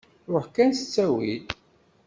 Ṛuḥ kan s ttawil.